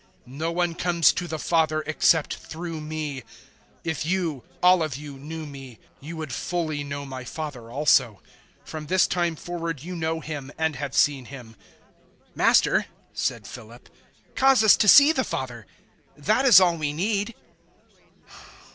No one comes to the Father except through me. 014:007 If you all of you knew me, you would fully know my Father also. From this time forward you know Him and have seen Him." 014:008 "Master," said Philip, "cause us to see the Father: that is all we need."